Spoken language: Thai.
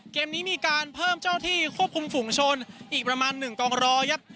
เกมนี้มีการเพิ่มเจ้าที่ควบคุมฝุงชนอีกประมาณ๑กองร้อยครับ